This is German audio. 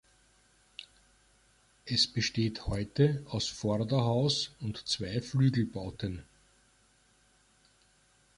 Es besteht heute aus Vorderhaus und zwei Flügelbauten.